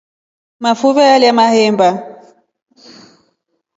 Mafuve nyalya mahemba.